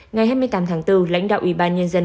ngày hai mươi tám tháng bốn lãnh đạo ủy ban nhân dân